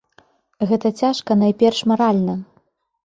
Гэта цяжка найперш маральна.